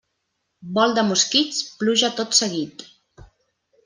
Vol de mosquits, pluja tot seguit.